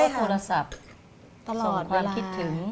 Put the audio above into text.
ก็โทรศัพท์ส่งความคิดถึง